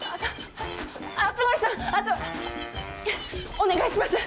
お願いします！